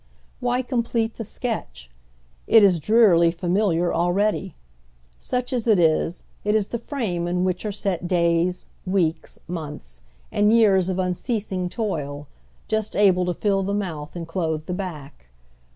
"Wliy complete the sketch ? It is drearily familiar al ready. Such as it ia, it is the frame in wliich are set days, weeks, months, and years of unceasing toil, just able to fill the mouth and clothe the back.